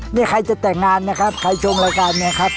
นี่ใครจะแต่งงานนะครับใครชมรายการเนี่ยครับ